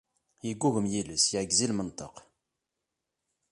Yeggugem yiles, yeɛgez i lmenṭeq.